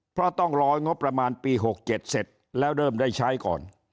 เพราะต้องรองบประมาณปี๖๗เสร็จแล้วเริ่มได้ใช้ก่อน